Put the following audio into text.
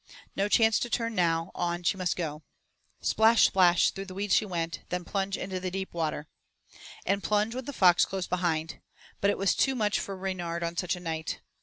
No chance to turn now, on she must go. Splash! splash! through the weeds she went, then plunge into the deep water. And plunge went the fox close behind. But it was too much for Reynard on such a night.